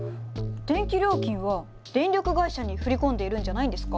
電気料金は電力会社に振り込んでいるんじゃないんですか？